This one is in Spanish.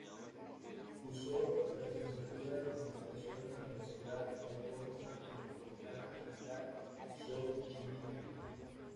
Cursó la licenciatura de Comunicación en la Universidad Autónoma Metropolitana Unidad Xochimilco.